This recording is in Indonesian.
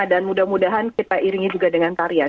dan mudah mudahan kita iringi juga dengan tarian